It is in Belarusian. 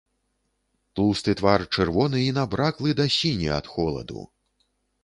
Тлусты твар чырвоны і набраклы да сіні ад холаду.